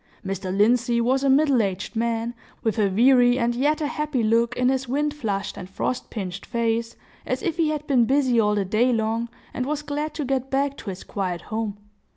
Mr. Lindsey was a middle aged man, with a weary and yet a happy look in his wind flushed and frost pinched face, as if he had been busy all the day long, and was glad to get back to his quiet home.